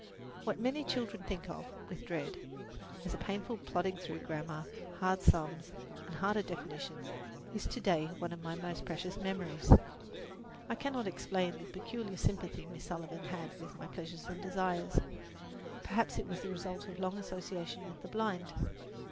What many children think of with dread, as a painful plodding through grammar, hard sums and harder definitions, is to day one of my most precious memories. I cannot explain the peculiar sympathy Miss Sullivan had with my pleasures and desires. Perhaps it was the result of long association with the blind.